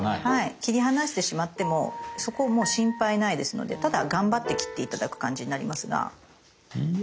切り離してしまってもそこもう心配ないですのでただ頑張って切って頂く感じになりますが。